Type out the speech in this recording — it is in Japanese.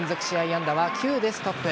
安打は９でストップ。